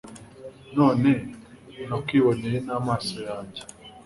none, nakwiboneye n'amaso yanjye